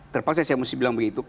terpaksa saya mesti bilang begitu